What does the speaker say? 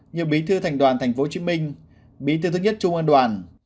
như bí tư thành đoàn tp hcm bí tư thứ nhất trung ương đoàn